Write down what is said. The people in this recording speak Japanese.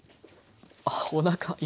あおなか